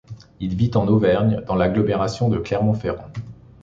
Il vit en Auvergne dans l'agglomération de Clermont-Ferrand.